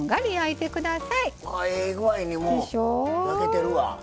ええ具合に焼けてるわ。